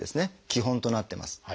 基本となってます。